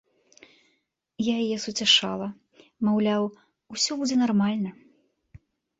Я яе суцяшала, маўляў, усё будзе нармальна.